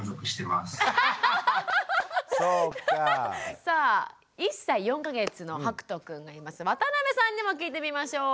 さあ１歳４か月のはくとくんがいます渡邊さんにも聞いてみましょう。